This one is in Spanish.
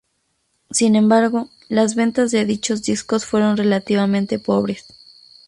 Sin embargo, las ventas de dichos discos fueron relativamente pobres.